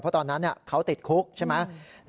เพราะตอนนั้นเขาติดคุกใช่ไหม